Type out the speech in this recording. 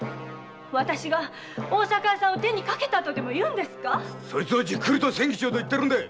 私が大阪屋さんを手にかけたとでも言うんですか⁉そいつをじっくりと詮議するんだ！